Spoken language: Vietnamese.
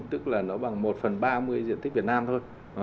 tức là nó bằng một phần ba mươi diện tích việt nam thôi